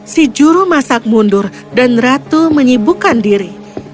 si juru masak mundur dan ratu menyibukkan diri